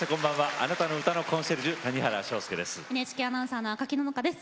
あなたの歌のコンシェルジュ谷原章介です。